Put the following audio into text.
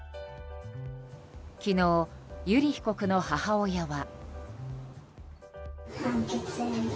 昨日、油利被告の母親は。